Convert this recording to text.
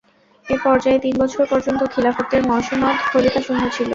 এ পর্যায়ে তিন বছর পর্যন্ত খিলাফতের মসনদ খলীফা-শূন্য ছিল।